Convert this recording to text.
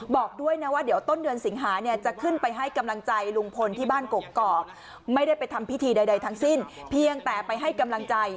บอกด้วยนะว่าเดี๋ยวต้นเดือนสิงหาเนี่ยจะขึ้นไปให้กำลังใจลุงพลที่บ้านกกอกไม่ได้ไปทำพิธีใดทั้งสิ้นเพียงแต่ไปให้กำลังใจ